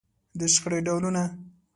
د شخړې ډولونه.